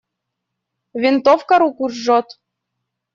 Винтовка руку жжет.